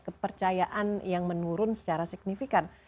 kepercayaan yang menurun secara signifikan